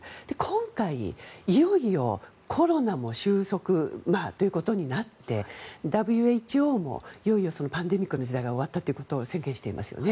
今回、いよいよコロナも収束ということになってＷＨＯもいよいよパンデミックの時代が終わったということを宣言していますよね。